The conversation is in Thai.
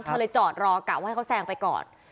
เธอเลยจอดรอกะว่าให้เขาแซงไปก่อน